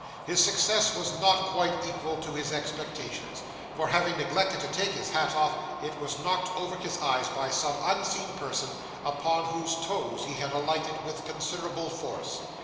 His success was not quite equal to his expectations; for having neglected to take his hat off, it was knocked over his eyes by some unseen person, upon whose toes he had alighted with considerable force.